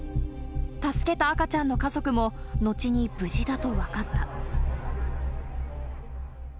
助けた赤ちゃんの家族も後に無事だと分かった。